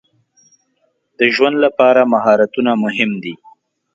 د ژوند لپاره مهارتونه مهم دي.